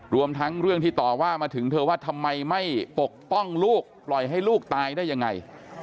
รวมทั้งเรื่องที่ต่อว่ามาถึงเธอว่าทำไมไม่ปกป้องลูกปล่อยให้ลูกตายได้ยังไง